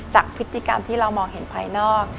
จากพฤติกรรมที่เรามองเห็นภายนอก